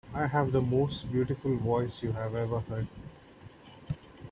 I have the most beautiful voice you have ever heard.